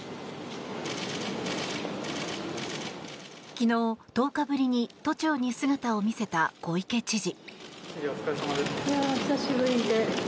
昨日、１０日ぶりに都庁に姿を見せた小池知事。